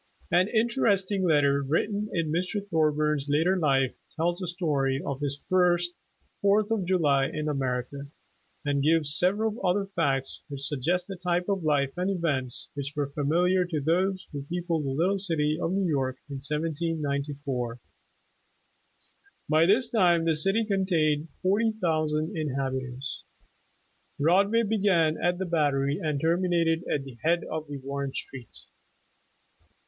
An interesting letter, written in Mr. Thorburn 's later life, tells the story of his first Fourth of July in America, and gives several other facts, which suggest the type of life and events, which were familiar to those who peopled the little city of New York in 1794. By this time the city contained forty thousand inhabitants. Broadway began at the Battery and ter minated at the head of Warren Street.